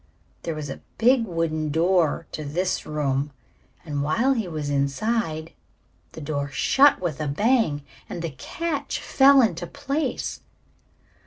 There was a big wooden door to this room, and while he was inside the door shut with a bang and the catch fell into place.